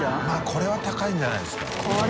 これは高いんじゃないですか？